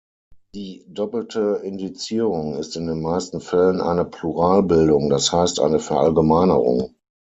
Die doppelte Indizierung ist in den meisten Fällen eine Pluralbildung, das heißt eine Verallgemeinerung.